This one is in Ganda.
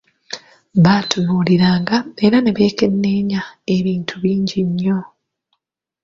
Baatunuuliranga era ne beekenneenya ebintu bingi nnyo.